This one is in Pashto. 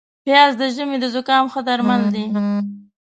پیاز د ژمي د زکام ښه درمل دي